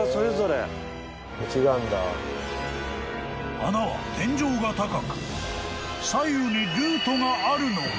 ［穴は天井が高く左右にルートがあるのか？］